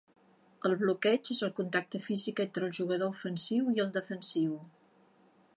El bloqueig és el contacte físic entre el jugador ofensiu i el defensiu.